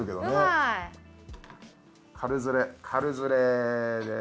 軽ずれ軽ずれです。